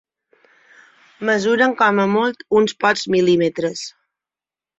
Mesuren com a molt uns pocs mil·límetres.